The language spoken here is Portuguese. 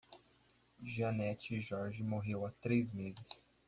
Janet Roger morreu há três meses.